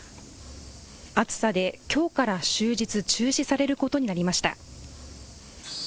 暑さできょうから終日、中止されることになりました。